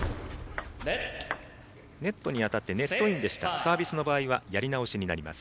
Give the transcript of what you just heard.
ネットに当たって、ネットインサービスの場合はやり直しになります。